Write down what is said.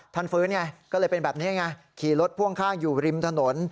ฟื้นไงก็เลยเป็นแบบนี้ไงขี่รถพ่วงข้างอยู่ริมถนน